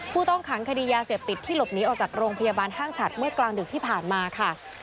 ผู้ต้องขังคดียาเสพติดที่หลบหนีออกจากโรงพยาบาลห้างฉัดเมื่อกลางดึกที่ผ่านมาค่ะ